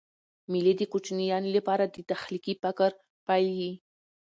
مېلې د کوچنیانو له پاره د تخلیقي فکر پیل يي.